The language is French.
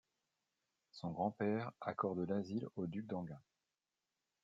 Son grand-père accorde l'asile au duc d'Enghien.